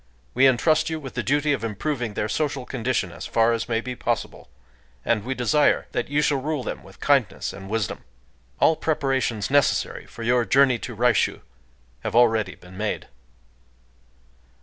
We entrust you with the duty of improving their social condition as far as may be possible; and We desire that you shall rule them with kindness and wisdom. All preparations necessary for your journey to Raishū have already been made."